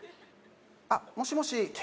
あっもしもし